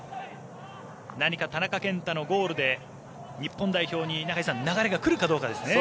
何か田中健太のゴールで日本代表に流れが来るかどうかですね。